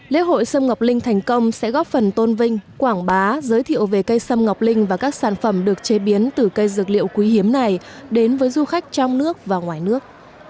lễ hội sâm ngọc linh thành công sẽ góp phần tôn vinh quảng bá giới thiệu về cây sâm ngọc linh và các sản phẩm được chế biến từ cây dược liệu quý hiếm này đến với du khách trong nước và ngoài nước